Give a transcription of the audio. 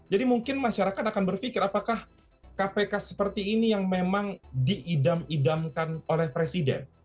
jadi mungkin masyarakat akan berpikir apakah kpk seperti ini yang memang diidam idamkan oleh presiden